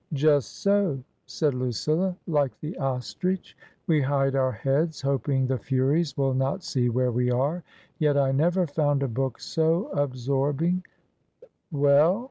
" Just so," said Lucilla ;" like the ostrich we hide our heads, hoping the Furies will not see where we are. Yet I never found a book so absorbing "" Well